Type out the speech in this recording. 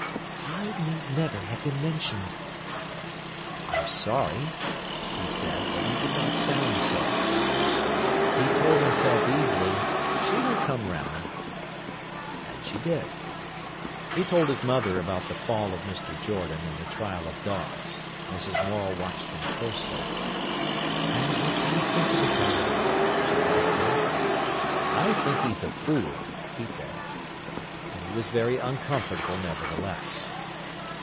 "I need never have been mentioned." "I'm sorry," he said; but he did not sound sorry. He told himself easily: "She will come round." And she did. He told his mother about the fall of Mr. Jordan and the trial of Dawes. Mrs. Morel watched him closely. "And what do you think of it all?" she asked him. "I think he's a fool," he said. But he was very uncomfortable, nevertheless.